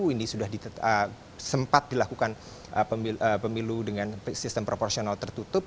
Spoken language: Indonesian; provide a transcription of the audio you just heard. ini sudah sempat dilakukan pemilu dengan sistem proporsional tertutup